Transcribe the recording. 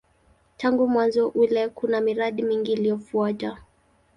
Tangu mwanzo ule kuna miradi mingi iliyofuata.